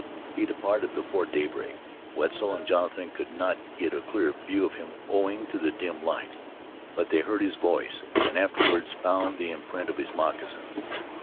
He departed before daybreak. Wetzel and Jonathan could not get a clear view of him owing to the dim light; but they heard his voice, and afterwards found the imprint of his moccasins.